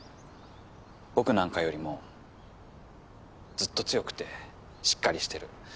僕なんかよりもずっと強くてしっかりしてる。